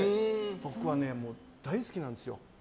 僕は大好きなんですよ。